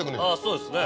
そうですね。